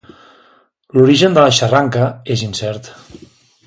L'origen de la xarranca és incert.